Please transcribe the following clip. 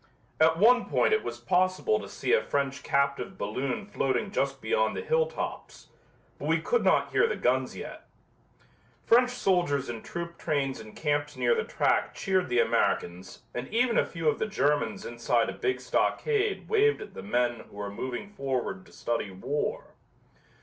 At one point it was possible to see a French captive balloon floating just beyond the hilltops, but we could not hear the guns yet. French soldiers in troop trains and camps near the track cheered the Americans and even a few of the Germans inside a big stockade waved at the men who were moving forward to study war.